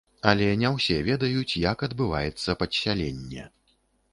Але не ўсе ведаюць, як адбываецца падсяленне.